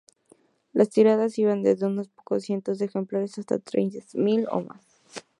Las tiradas iban desde unos pocos cientos de ejemplares hasta tres mil o más.